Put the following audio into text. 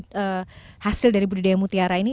dimana syarat kayak asasnya beneran habis